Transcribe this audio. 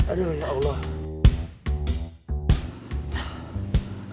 aduh ya allah